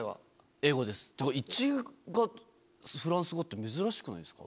英語です一外がフランス語って珍しくないですか？